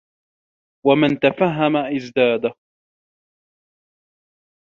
وَمَنْ تَفَهَّمَ ازْدَادَ